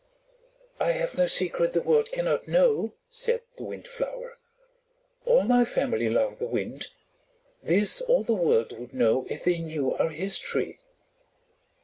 "I have no secret the world cannot know," said the Windflower. "All my family love the Wind; this all the world would know if they knew our history."